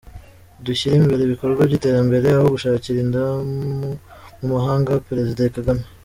Dushyira imbere ibikorwa by’iterambere, aho gushakira indamu mu mahanga Perezida Kagame